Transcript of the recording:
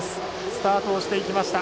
スタートをしていきました。